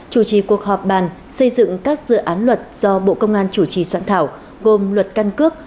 chủ trì cuộc họp bàn xây dựng các dự án luật do bộ công an chủ trì soạn thảo gồm luật căn cước